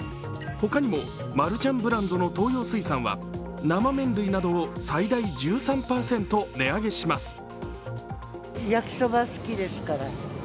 ほかにもマルちゃんブランドの東洋水産は生麺類などを最大１３％値上げします。